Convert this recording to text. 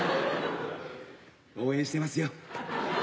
応援してますよ。